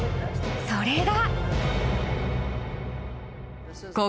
［それが］